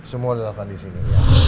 semua dilakukan di sini